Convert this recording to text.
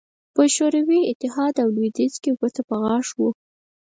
په شوروي اتحاد او لوېدیځ کې ګوته په غاښ وو